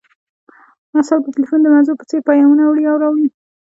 اعصاب د ټیلیفون د مزو په څیر پیامونه وړي او راوړي